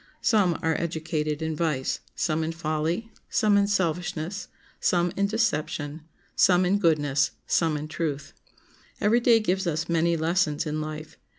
Some are educated in vice, some in folly, some in selfishness, some in deception, some in goodness, some in truth. Every day gives us many lessons in life.